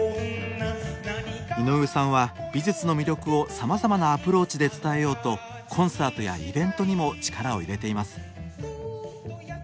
井上さんは美術の魅力をさまざまなアプローチで伝えようとコンサートやイベントにも力を入れています。